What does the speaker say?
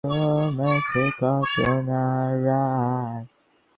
হয়তো বলতুম– সেদিন বেলুন উড়েছিল, আপনাদের বাড়ির ছাত থেকে দেখতে পেয়েছিলেন কি?